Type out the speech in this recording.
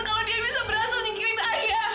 kalau dia bisa berasal nyikirin ayah